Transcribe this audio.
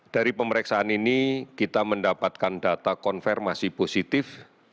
dari pemeriksaan ini kita mendapatkan data konfirmasi positif